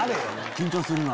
緊張するな。